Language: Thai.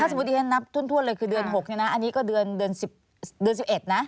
ถ้าเฉพาะที่มันนับทวนเลยคือเดือน๖อันนี้ก็เดือน๑๑นะ